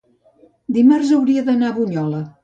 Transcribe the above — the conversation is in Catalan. Dimarts hauria d'anar a Bunyola.